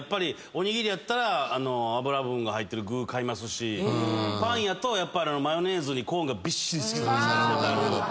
おにぎりやったら脂分が入ってる具買いますしパンやとマヨネーズにコーンがびっしり敷き詰めてある。